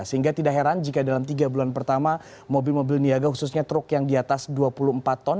sehingga tidak heran jika dalam tiga bulan pertama mobil mobil niaga khususnya truk yang di atas dua puluh empat ton